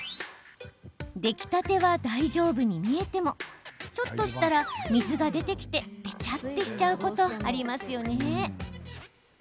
出来たては大丈夫に見えてもちょっとしたら水が出てきてべちゃっとしちゃうことありますよね。